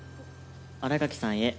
新垣さんへ。